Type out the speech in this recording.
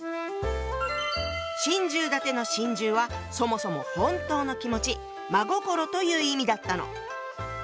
「心中立て」の「心中」はそもそも本当の気持ち真心という意味だったの。